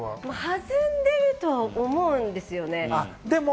弾んでると思うんですよ。